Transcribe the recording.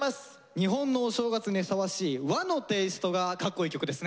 日本のお正月にふさわしい和のテイストがかっこいい曲ですね。